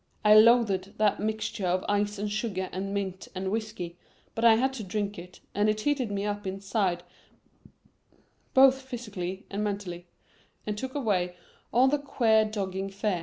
I loathed that mixture of ice and sugar and mint and whiskey but I had to drink it, and it heated me up inside both physically and mentally, and took away all the queer dogging fear.